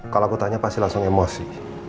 kalau aku tanya pasti langsung emosi